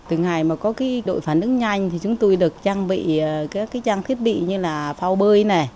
từ ngày mà có cái đội phản ứng nhanh thì chúng tôi được trang bị các trang thiết bị như là phao bơi này